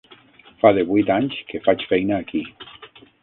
Fa devuit anys que faig feina aquí.